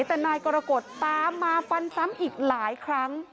แต่นายกรกฎตามมาฟันซ้ำอีกหลายครั้ง